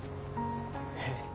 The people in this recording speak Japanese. えっ？